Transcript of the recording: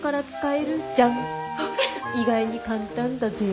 意外に簡単だぜ。